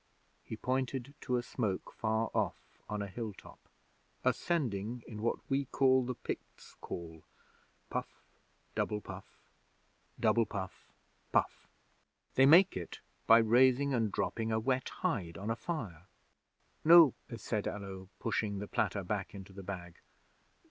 He pointed to a smoke far off on a hill top, ascending in what we call the Picts' Call: Puff double puff: double puff puff! They make it by raising and dropping a wet hide on a fire. '"No," said Allo, pushing the platter back into the bag.